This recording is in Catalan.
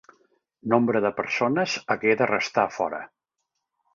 Nombre de persones hagué de restar a fora.